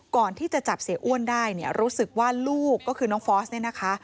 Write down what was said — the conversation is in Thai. ก่อนที่จะจับเสียอ้วนได้เนี่ยรู้สึกว่าลูกก็คือน้องฟอสเนี่ยนะคะ